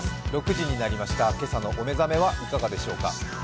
６時になりました、今朝のお目覚めはいかがでしょうか？